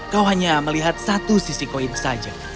kau hanya melihat satu sisi koin saja